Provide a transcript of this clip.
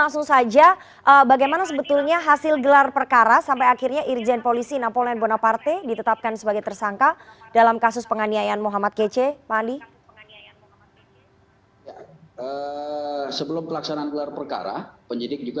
selamat sore pak andi